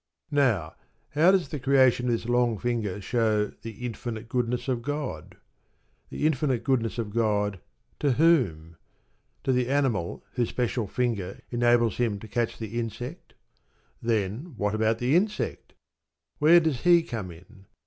Now, how does the creation of this long finger show the "infinite goodness of God"? The infinite goodness of God to whom? To the animal whose special finger enables him to catch the insect? Then what about the insect? Where does he come in?